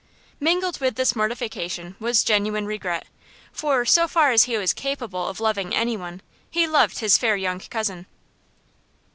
Mingled with this mortification was genuine regret, for, so far as he was capable of loving any one, he loved his fair young cousin.